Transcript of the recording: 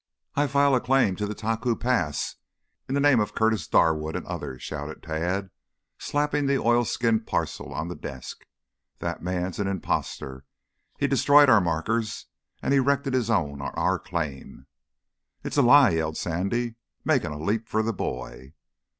"I file the claim to Taku Pass in the name of Curtis Darwood and others," shouted Tad, slapping the oilskin parcel on the desk. "That man's an impostor. He destroyed our markers and erected his own on our claim." "It's a lie!" yelled Sandy, making a leap for the boy.